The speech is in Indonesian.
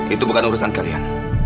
itu bukan urusan kalian